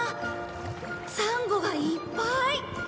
サンゴがいっぱい！